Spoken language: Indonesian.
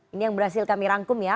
ini yang berhasil kami rangkum ya